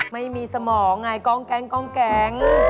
ไม่มีสมองไงกองแก๊ง